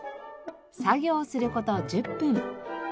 作業する事１０分。